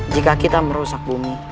jika kita merusak bumi